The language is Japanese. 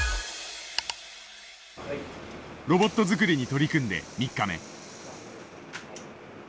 ロボット作りに取り組んで３日目。